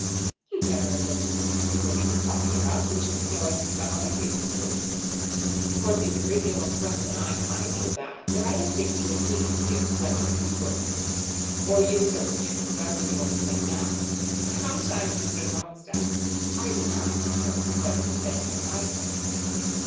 "He generally looks as if he knew what he was talking about, which is more than some other people do." "Of course he is a great deal more clever than I am. I know that. But I don't think even he can be so clever as he looks. 'Or you so stupid,' that's what you ought to say now." "Sometimes, Mr. Longstaff, I deny myself the pleasure of saying what I think."